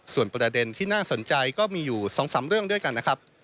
ส่วนประเด็นที่น่าสนใจก็มีอยู่๒๓เรื่องด้วยกันนะครับ